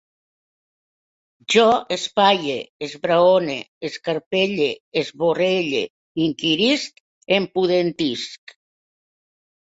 Jo espaie, esbraone, escarpelle, esvorelle, inquirisc, empudentisc